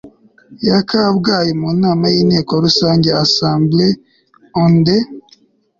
ya Kabgayi mu nama y Inteko Rusange Assembly on the